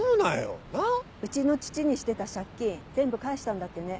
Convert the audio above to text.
うちの父にしてた借金全部返したんだってね？